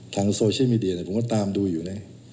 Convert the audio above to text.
ทางโซเชียลมีเดียผมก็ตามดูอยู่นะ